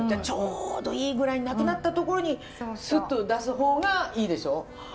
ちょうどいいぐらいになくなったところにスッと出す方がいいでしょ？